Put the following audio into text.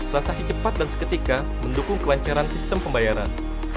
transaksi cepat dan seketika mendukung kelancaran sistem pembayaran